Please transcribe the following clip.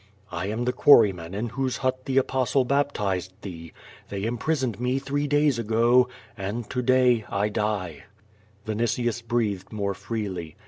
"I am the quarryman in whose hut the Apostle baptized thee. They imprisoned me three days ago, and to day I die." Vinitius breathed more freely.